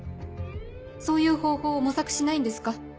そういう方法を模索しないんですか？